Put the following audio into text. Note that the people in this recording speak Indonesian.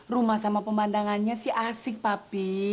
rumah sama pemandangannya sih asik tapi